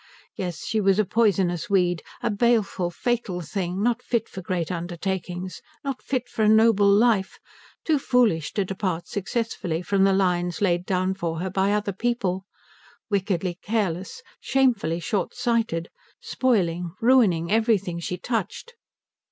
Yes, she was a poisonous weed; a baleful, fatal thing, not fit for great undertakings, not fit for a noble life, too foolish to depart successfully from the lines laid down for her by other people; wickedly careless; shamefully shortsighted; spoiling, ruining, everything she touched.